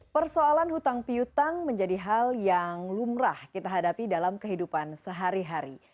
persoalan hutang piutang menjadi hal yang lumrah kita hadapi dalam kehidupan sehari hari